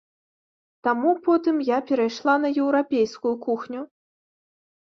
Таму потым я перайшла на еўрапейскую кухню.